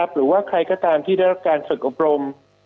หรือว่าใครก็ตามที่ได้รับการฝึกอบรม